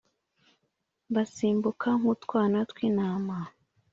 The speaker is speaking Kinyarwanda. basimbuka nk’utwana tw’intama,